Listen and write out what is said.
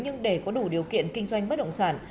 nhưng để có đủ điều kiện kinh doanh bất động sản